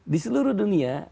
di seluruh dunia